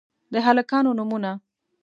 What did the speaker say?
د هلکانو نومونه: